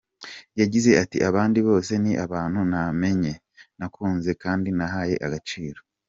Yagize ati “Abandi bose ni abantu namenye, nakunze kandi nahaye agaciro.